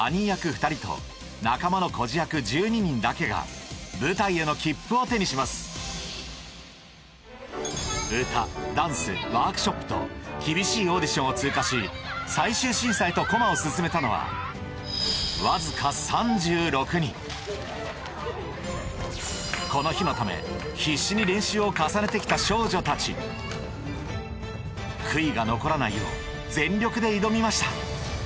２人と仲間の孤児役１２人だけが舞台への切符を手にしますと厳しいオーディションを通過し最終審査へと駒を進めたのはわずか３６人この日のため必死に悔いが残らないよう全力で挑みました